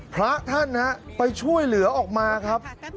พระท่านไปช่วยเหลือออกมาครับ